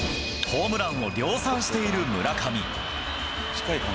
ホームランを量産している村上。